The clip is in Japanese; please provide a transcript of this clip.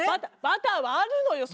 バターはあるのよ